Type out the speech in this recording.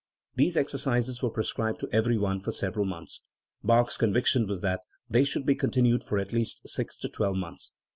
These exercises were pre scribed to everyone for several months; Bach's convic tion was that they should be continued for at least six to twelve months.